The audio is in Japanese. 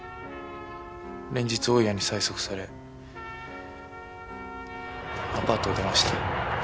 連日大家に催促されアパートを出ました。